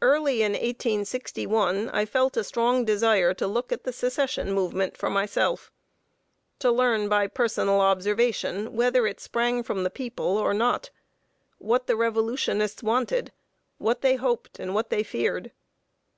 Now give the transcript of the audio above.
Early in 1861, I felt a strong desire to look at the Secession movement for myself; to learn, by personal observation, whether it sprang from the people or not; what the Revolutionists wanted, what they hoped, and what they feared.